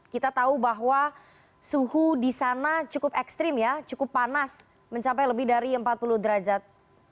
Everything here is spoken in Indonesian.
kita tahu bahwa suhu di sana cukup ekstrim ya cukup panas mencapai lebih dari empat puluh derajat